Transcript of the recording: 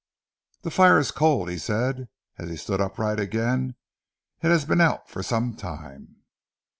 "The fire is cold," he said, as he stood upright again. "It has been out for some time."